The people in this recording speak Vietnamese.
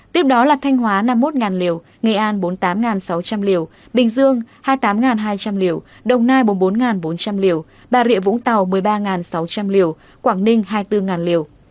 tiếp đó là thanh hóa năm mươi một liều nghệ an bốn mươi tám sáu trăm linh liều bình dương hai mươi tám hai trăm linh liều đồng nai bốn mươi bốn bốn trăm linh liều bà rịa vũng tàu một mươi ba sáu trăm linh liều quảng ninh hai mươi bốn liều